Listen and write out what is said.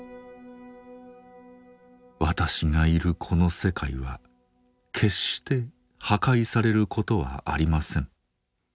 私がいるこの世界は決して破壊されることはありません。